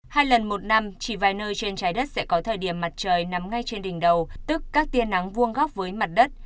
hai lần một năm chỉ vài nơi trên trái đất sẽ có thời điểm mặt trời nằm ngay trên đỉnh đầu tức các tiên nắng vuông góc với mặt đất